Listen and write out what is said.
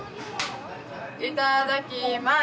いただきます。